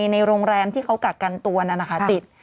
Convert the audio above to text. ในโรงแรมที่เขากักกันตัวนั้นนะคะติด